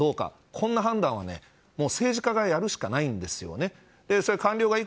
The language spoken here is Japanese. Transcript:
こんな判断は政治家がやるしかないんですよね。